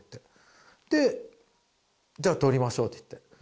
「じゃあ撮りましょう」って言って。